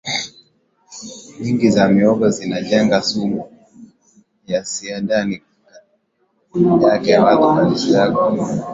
nyingi za mihogo zinajenga sumu ya sianidi ndani yake watu waliozoea kutumia mihogo huwa